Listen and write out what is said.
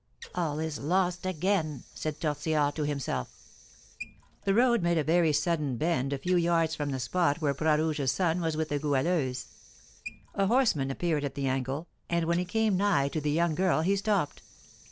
"All is lost again!" said Tortillard to himself. The road made a very sudden bend a few yards from the spot where Bras Rouge's son was with the Goualeuse. A horseman appeared at the angle, and when he came nigh to the young girl he stopped.